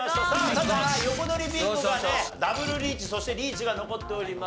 ただ横取りビンゴがダブルリーチそしてリーチが残っております。